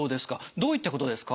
どういったことですか？